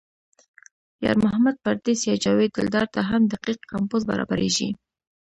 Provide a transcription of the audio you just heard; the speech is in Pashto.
یار محمد پردیس یا جاوید دلدار ته هم دقیق کمپوز برابرېږي.